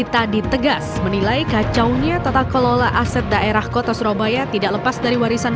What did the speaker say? kasus terancam hilangnya sejumlah aset pemerintah kota surabaya kini menjadi perhatian warga surabaya kini menjadi pusat perbelanjaan marvel city